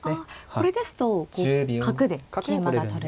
これですと角で桂馬が取れる。